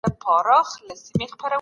تعلیمي ټکنالوژي څنګه د مهارتونو وده کوي؟